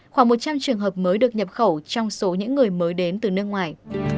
khoảng một trăm linh trường hợp mới được nhập khẩu trong số những người mới đến từ nước ngoài